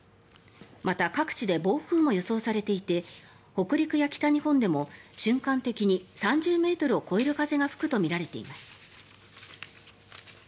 また、各地で暴風も予想されていて北陸や北日本でも瞬間的に３０ｍを超える風が吹くとみられています。